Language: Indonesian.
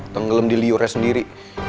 tenggelam di liurnya sendiri